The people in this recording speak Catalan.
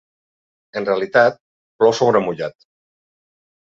En realitat, plou sobre mullat.